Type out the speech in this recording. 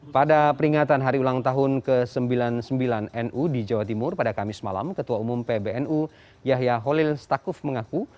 pada peringatan hari ulang tahun ke sembilan puluh sembilan nu di jawa timur pada kamis malam ketua umum pbnu yahya holil stakuf mengaku